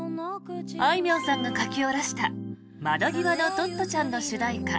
あいみょんさんが書き下ろした「窓ぎわのトットちゃん」の主題歌